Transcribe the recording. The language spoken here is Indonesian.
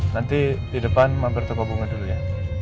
nanti di depan mampir toko bunga dulu ya